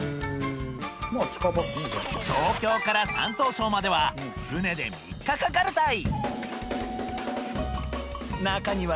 東京から山東省までは船で３日かかるタイ。